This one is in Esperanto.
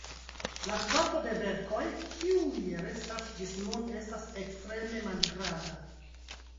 La kvanto de verkoj, kiuj restas ĝis nun estas ekstreme malgranda.